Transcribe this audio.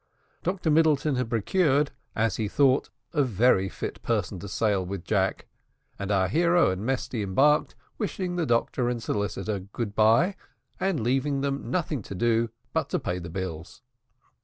Dr Middleton had procured, as he thought, a very fit person to sail with Jack, and our hero and Mesty embarked, wishing the doctor and solicitor good bye, and leaving them nothing to do but to pay the bills.